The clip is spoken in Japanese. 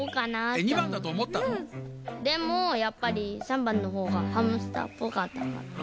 でもやっぱり③ばんのほうがハムスターっぽかったから。